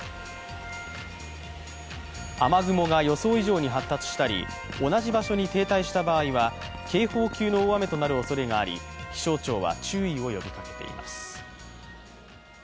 雨雲が予想以上に発達したり同じ場所に停滞した場合は警報級の大雨となるおそれがあり気象庁は注意を呼びかけています。